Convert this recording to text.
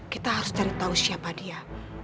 kita harus cari tahu siapa dia